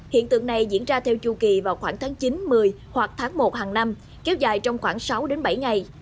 hiện tượng này diễn ra theo chu kỳ vào khoảng tháng chín một mươi hoặc tháng một hàng năm kéo dài trong khoảng sáu đến bảy ngày